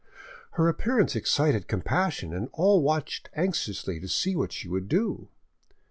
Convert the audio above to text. Her appearance excited compassion, and all watched anxiously to see what she would do.